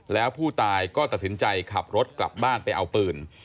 แล้วผู้ตายก็ตัดสินใจขับรถกลับบ้านไปเอาปืน